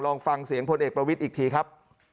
ลองฟังเสียงพลเอกประวิทย์อีกทีครับ